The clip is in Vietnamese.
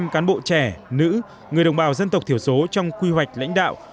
một trăm linh cán bộ trẻ nữ người đồng bào dân tộc thiểu số trong quy hoạch lãnh đạo